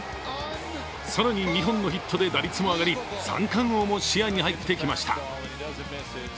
更に、２本のヒットで打率も上がり三冠王も視野に入ってきました。